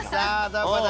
どこだ？